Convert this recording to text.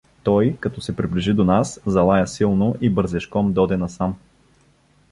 Той, като се приближи до нас, залая силно и бързешком доде насам.